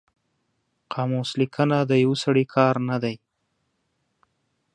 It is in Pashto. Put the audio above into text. قاموس لیکنه د یو سړي کار نه دی